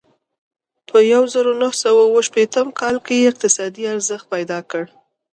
په یوه زرو نهه سوه اوه شپېتم کال کې یې اقتصاد ارزښت پیدا کړ.